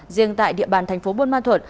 riêng tại địa bàn thành phố bôn ma thuận